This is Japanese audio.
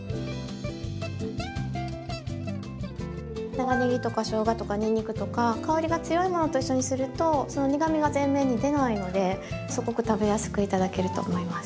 長ねぎとかしょうがとかにんにくとか香りが強いものと一緒にするとその苦みが前面に出ないのですごく食べやすく頂けると思います。